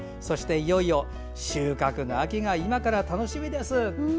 いよいよ収穫の秋が今から楽しみです。